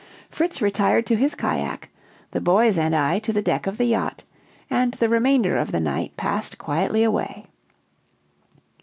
Fritz retired to his cajack, the boys and I to the deck of the yacht, and the remainder of the night passed quietly away.